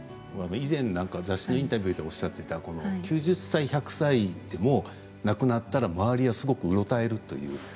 以前、雑誌のインタビューでおっしゃってた９０歳、１００歳でも亡くなったら周りはすごくうろたえるという。